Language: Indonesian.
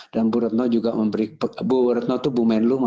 dan bu retno juga berbicara dengan kang riki